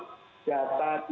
jadi dengan lembaga fintech